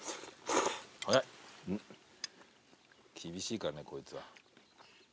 厳しいからねこいつは。